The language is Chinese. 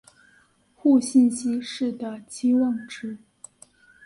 互信息是的期望值。